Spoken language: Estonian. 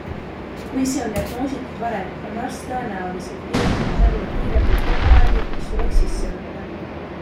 Kui see on diagnoositud varem, on arst tõenäoliselt kirjutanud välja kiirabipreparaadi, mis tuleks sisse võtta.